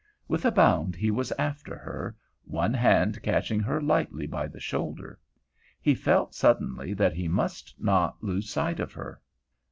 With a bound he was after her, one hand catching her lightly by the shoulder. He felt suddenly that he must not lose sight of her.